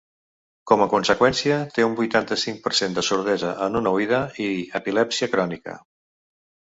Com a conseqüència, té un vuitanta-cinc per cent de sordesa en una oïda i epilèpsia crònica.